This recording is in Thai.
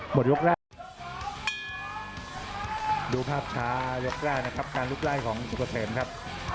หมดยกแรกดูภาพช้ายกแรกนะครับการลุกไล่ของสุกเกษมครับ